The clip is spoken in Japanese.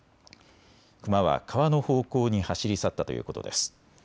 クマは川の方向に走り去ったということです。